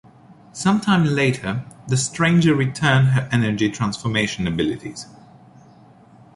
Sometime later, the Stranger returned her energy transformation abilities.